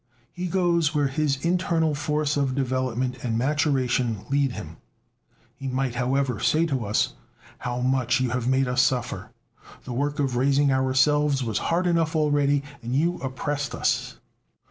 He goes where his internal force of development and maturation lead him. He might, however, say to us: "How much you have made us suffer! The work of raising ourselves was hard enough already, and you oppressed us."